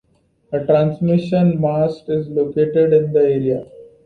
A transmission mast is located in the area.